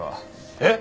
えっ！？